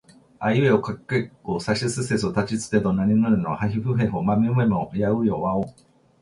あいうえおかきくけこさしすせそたちつてとなにぬねのはひふへほまみむめもやゆよわをん